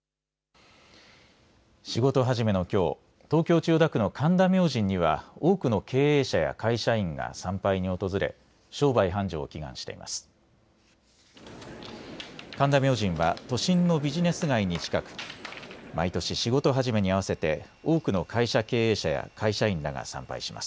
仕事始めのきょう東京千代田区の神田明神には多くの経営者や会社員が参拝に訪れ、商売繁盛を祈願しています。